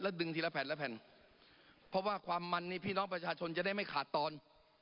ดึงทีละแผ่นละแผ่นเพราะว่าความมันนี่พี่น้องประชาชนจะได้ไม่ขาดตอน